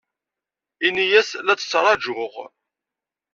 Ini-as la tt-ttṛajuɣ.